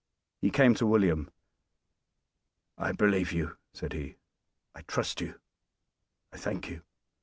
He came to William, "I believe you," said he; "I trust you, I thank you."